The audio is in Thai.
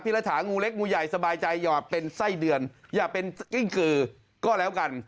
รัฐางูเล็กงูใหญ่สบายใจอย่าเป็นไส้เดือนอย่าเป็นกิ้งกือก็แล้วกัน